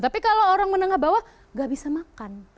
tapi kalau orang menengah bawah gak bisa makan